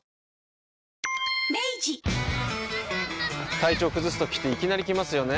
体調崩すときっていきなり来ますよね。